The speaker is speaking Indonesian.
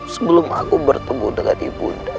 sebelum aku bertemu dengan ibu undah